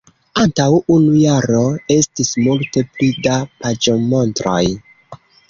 antaŭ unu jaro estis multe pli da paĝomontroj.